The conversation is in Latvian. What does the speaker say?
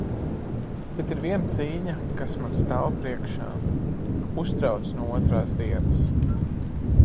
Bet ir viena cīņa, kas man stāv priekšā, uztrauc no otrās dienas.